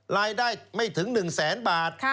รายได้ไม่ถึง๑แสนบาท